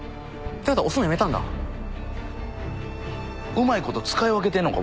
うまいこと使い分けてんのか。